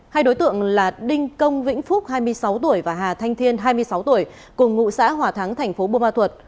hai đối tượng là đinh công vĩnh phúc hai mươi sáu tuổi và hà thanh thiên hai mươi sáu tuổi cùng ngụ xã hòa thắng thành phố bùa ma thuật